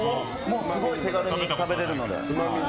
すごい手軽に食べられるので。